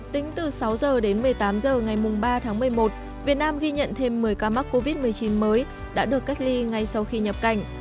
tính từ sáu h đến một mươi tám h ngày ba tháng một mươi một việt nam ghi nhận thêm một mươi ca mắc covid một mươi chín mới đã được cách ly ngay sau khi nhập cảnh